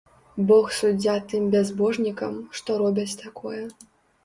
Бог суддзя тым бязбожнікам, што робяць такое.